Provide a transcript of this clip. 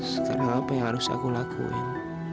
sekarang apa yang harus aku lakuin